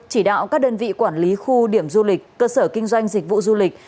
chỉ đạo các đơn vị quản lý khu điểm du lịch cơ sở kinh doanh dịch vụ du lịch